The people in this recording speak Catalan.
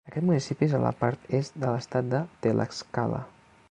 Aquest municipi és a la part est de l'estat de Tlaxcala.